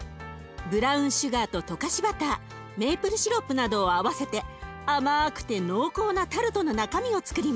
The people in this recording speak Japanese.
ブラウンシュガーと溶かしバターメイプルシロップなどを合わせて甘くて濃厚なタルトの中身をつくります。